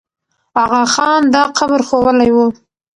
آغا خان دا قبر ښوولی وو.